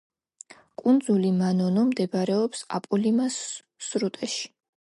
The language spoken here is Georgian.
კუნძული მანონო მდებარეობს აპოლიმას სრუტეში.